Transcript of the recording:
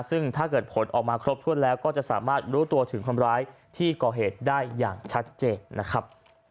ซึ่งถ้าเกิดผลออกมาครบถ้วนแล้วก็จะสามารถรู้ตัวถึงคนร้ายที่ก่อเหตุได้อย่างชัดเจนนะครับ